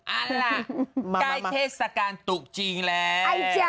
อันล่ะใกล้เทศการตุกจีนแล้ว